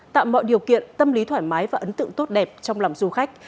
tạo mọi điều kiện tâm lý thoải mái và ấn tượng tốt đẹp trong lòng du khách